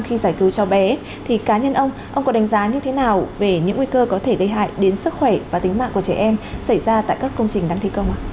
khi giải cứu cháu bé thì cá nhân ông ông có đánh giá như thế nào về những nguy cơ có thể gây hại đến sức khỏe và tính mạng của trẻ em xảy ra tại các công trình đang thi công ạ